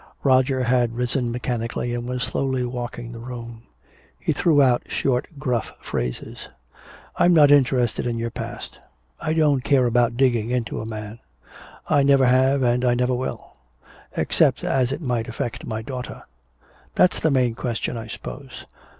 Roger had risen mechanically and was slowly walking the room. He threw out short gruff phrases. "I'm not interested in your past I don't care about digging into a man I never have and I never will except as it might affect my daughter. That's the main question, I suppose.